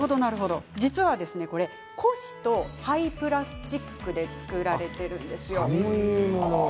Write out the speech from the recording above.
実は古紙と廃プラスチックで作られているんです。